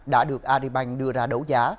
đã được aribank đưa ra đấu giá